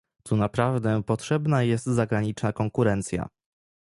Tu naprawdę potrzebna jest zagraniczna konkurencja